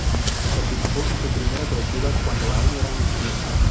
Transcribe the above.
Participó en su primera colectiva cuando aún era un estudiante.